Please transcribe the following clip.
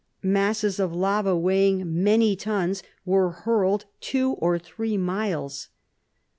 Masses of lava weighing many tons were hurled two or three miles.